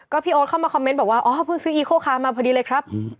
พี่โอ๊ตเข้ามาคอมเมนต์บอกว่าอ๋อเพิ่งซื้ออีโคคามาพอดีเลยครับ